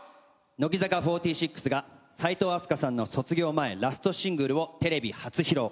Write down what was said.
乃木坂４６が齋藤飛鳥さんの卒業前ラストシングルをテレビ初披露。